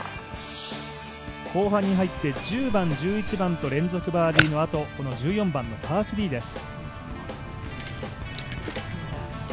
後半に入って１０番、１１番と連続バーディーのあとこの１４番のパー３です。